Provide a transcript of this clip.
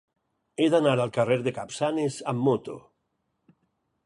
He d'anar al carrer de Capçanes amb moto.